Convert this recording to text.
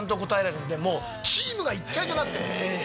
チームが一体となってる。